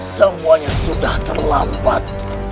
semuanya sudah terlambat